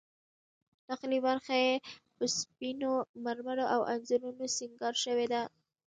داخلي برخه یې په سپینو مرمرو او انځورونو سینګار شوې ده.